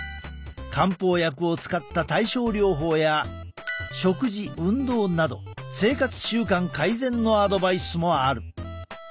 漢方薬を使った対症療法や食事運動など生活習慣改善のアドバイスもある。